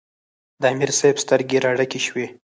د امیر صېب سترګې راډکې شوې ـ